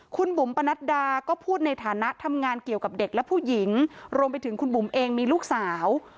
คุณบุ๋มปนัดดาก็พูดในฐานะทำงานเกี่ยวกับเด็กและผู้หญิงรวมไปถึงคุณบุ๋มเองมีลูกสาว